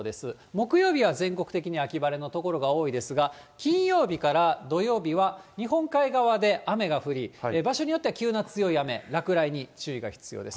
木曜日は全国的に秋晴れの所が多いですが、金曜日から土曜日は、日本海側で雨が降り、場所によっては急な強い雨、落雷に注意が必要です。